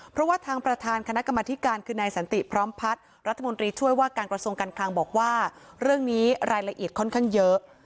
เพราะว่าทางประธานคณะกรรมธิการคือนายสันติพร้อมพัฒน์รัฐมนตรีช่วยว่าการกระทรวงการคลังบอกว่าเรื่องนี้รายละเอียดค่อนข้างเยอะ